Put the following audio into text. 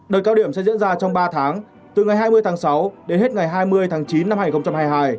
đợt cao điểm sẽ diễn ra trong ba tháng từ ngày hai mươi tháng sáu đến hết ngày hai mươi tháng chín năm hai nghìn hai mươi hai